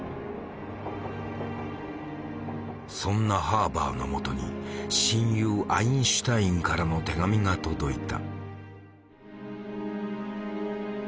そんなハーバーのもとに親友アインシュタインからの手紙が届いた。